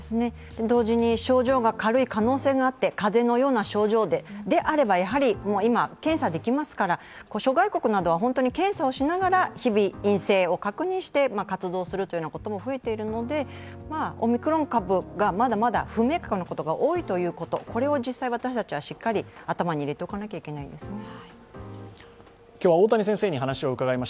同時に症状が軽い可能性があって、風邪のような症状であればやはり今、検査できますから、諸外国などでは検査をしながら日々陰性を確認して活動するということも増えているので、オミクロン株がまだまだ不明確なことが多いということ、これを実際私たちはしっかり頭に入れておかなきゃいけないです。